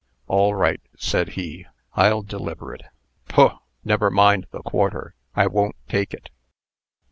"All right," said he. "I'll deliver it. Poh! never mind the quarter. I won't take it."